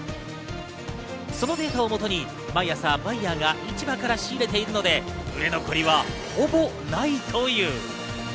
そのデータをもとに毎朝バイヤーが市場から仕入れているので売れ残りはほぼないという。